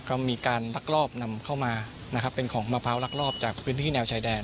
ก็มีการลักลอบนำเข้ามานะครับเป็นของมะพร้าวลักลอบจากพื้นที่แนวชายแดน